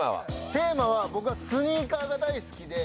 テーマは僕はスニーカーが大好きで。